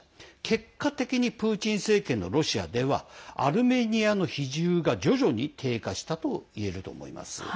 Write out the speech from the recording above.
結果的にプーチン政権のロシアではアルメニアの比重が徐々に低下したといえると思います。